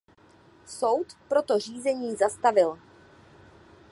Soud proto řízení zastavil.